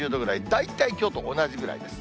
大体きょうと同じぐらいです。